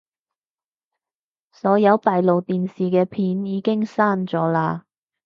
所有閉路電視嘅片已經刪咗喇